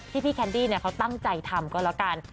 พี่แคนดี้เขาตั้งใจทำก็แล้วกัน